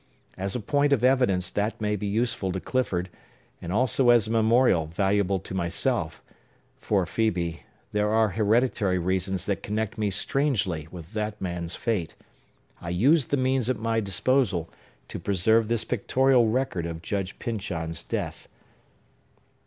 As a point of evidence that may be useful to Clifford, and also as a memorial valuable to myself,—for, Phœbe, there are hereditary reasons that connect me strangely with that man's fate,—I used the means at my disposal to preserve this pictorial record of Judge Pyncheon's death."